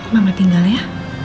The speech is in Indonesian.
mama tinggal ya